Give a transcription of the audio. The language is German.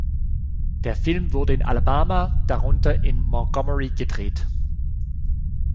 Der Film wurde in Alabama, darunter in Montgomery, gedreht.